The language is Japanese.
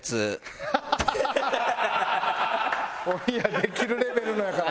オンエアできるレベルのやから。